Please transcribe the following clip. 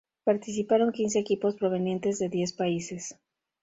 Participaron quince equipos provenientes de diez países.